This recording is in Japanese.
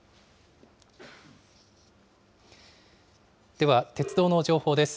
では鉄道の情報です。